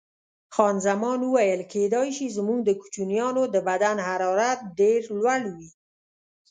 خان زمان وویل: کېدای شي، زموږ د کوچنیانو د بدن حرارت ډېر لوړ وي.